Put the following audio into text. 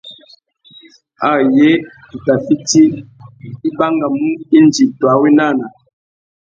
Ayé tu tà fiti, i bangamú indi tu awénana.